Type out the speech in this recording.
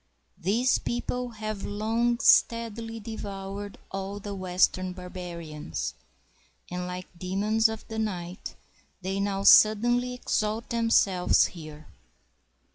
These people have long steadily devoured all the western barbarians, and like demons of the night, they now suddenly exalt themselves here.